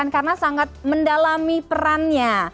karena sangat mendalami perannya